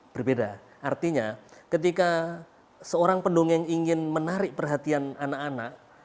berbeda artinya ketika seorang pendongeng ingin menarik perhatian anak anak